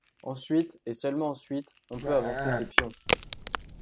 Ensuite, et seulement ensuite, on peut avancer ses pions.